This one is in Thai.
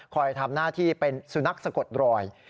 ทำหน้าที่เป็นสุนัขสะกดรอย